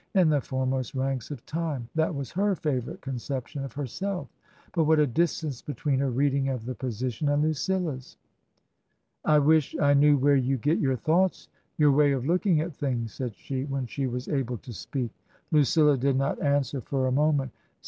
" In the foremost ranks of timer That was her favourite conception of herself; but what a distance between her reading of the position and Lucilla's !" I wish I knew where you get your thoughts — ^your way of looking at things," said she, when she was able to speak. Lucilla did not answer for a moment.